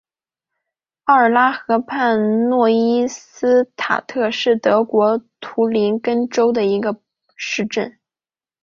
奥尔拉河畔诺伊斯塔特是德国图林根州的一个市镇。